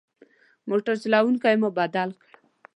موټر چلوونکی مو بدل کړ.